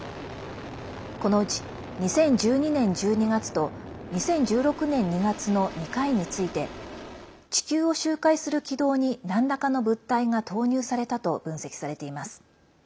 このうち２０１２年１２月と２０１６年２月の２回について地球を周回する軌道になんらかの物体が投入されたと分析されています。